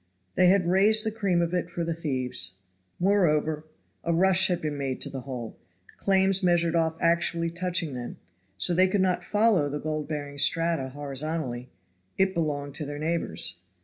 They had raised the cream of it for the thieves. Moreover, a rush had been made to the hole, claims measured off actually touching them; so they could not follow the gold bearing strata horizontally it belonged to their neighbors.